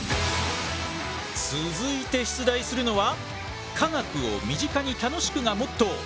続いて出題するのは科学を身近に楽しくがモットー。